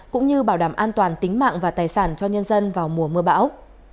cũng như bảo đảm an toàn tính mạng và tài sản cho nhân dân vào mùa mưa bão